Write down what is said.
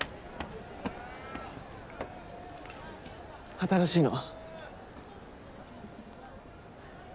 新しいの。